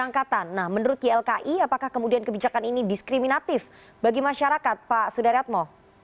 nah menurut ylki apakah kemudian kebijakan ini diskriminatif bagi masyarakat pak sudaryatmo